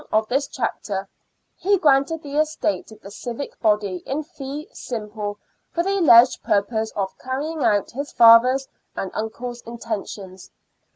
of this chapter — he granted the estate to the civic body in fee simple, for the alleged purpose of carrying out his father's and uncle's intentions.